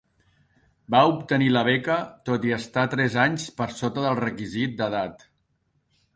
Va obtenir la beca tot i estar tres anys per sota del requisit d'edat.